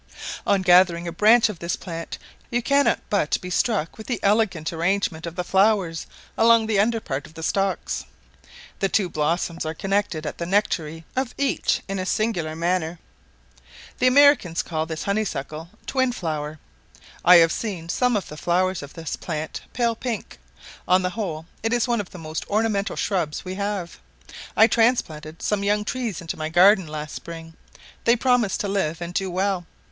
On gathering a branch of this plant, you cannot but be struck with the elegant arrangement of the flowers along the under part of the stalks. The two blossoms are connected at the nectary of each in a singular manner. The Americans call this honeysuckle "twinflower." I have seen some of the flowers of this plant pale pink: on the whole it is one of the most ornamental shrubs we have. I transplanted some young trees into my garden last spring; they promise to live and do well.